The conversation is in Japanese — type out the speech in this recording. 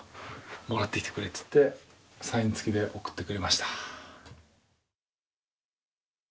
「もらってきてくれ」つってサイン付きで送ってくれました。